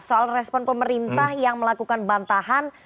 soal respon pemerintah yang melakukan bantahan